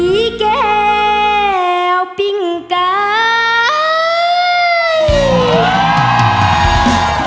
อี้แก่วปิ่งไกล